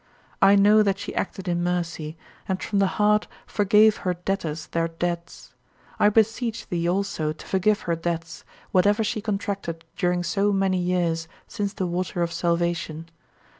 " I know that she acted in mercy, and from the heart forgave her debtors their debts. I beseech thee also to forgive her debts, whatever she contracted during so many years since the water of salvation.